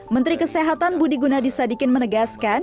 menteri kesehatan budi gunadisadikin menegaskan